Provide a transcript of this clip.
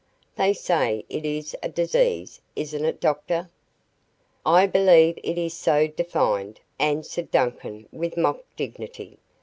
They say it is a disease, isn't it, doctor?" "I believe it is so defined," answered Duncan with mock dignity.